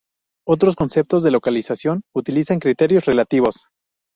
Otros conceptos de localización utilizan criterios relativos.